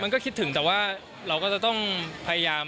ก็คิดถึงแต่ว่าเราก็จะต้องพยายาม